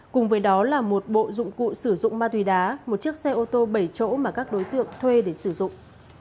cùng với đó là một bộ dụng cụ sử dụng ma túy đá một chiếc xe ô tô bảy chỗ mà các đối tượng thuê để sử dụng